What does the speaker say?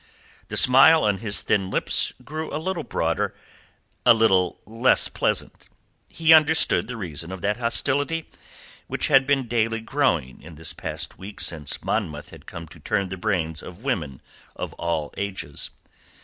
The smile on his thin lips grew a little broader, a little less pleasant. He understood the reason of that hostility, which had been daily growing in this past week since Monmouth had come to turn the brains of women of all ages.